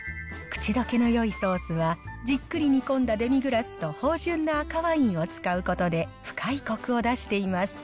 口どけのよいソースは、じっくり煮込んだデミグラスと芳じゅんな赤ワインを使うことで、深いコクを出しています。